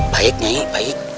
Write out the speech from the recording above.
baik nyai baik